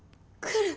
来る！